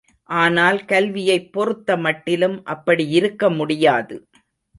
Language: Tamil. ஆனால் கல்வியைப் பொறுத்த மட்டிலும் அப்படியிருக்க முடியாது.